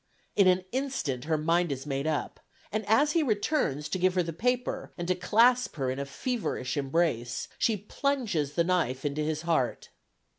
In an instant her mind is made up, and as he returns to give her the paper, and to clasp her in a feverish embrace, she plunges the knife into his heart.